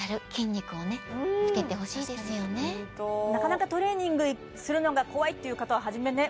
ホントなかなかトレーニングするのが怖いっていう方は初めね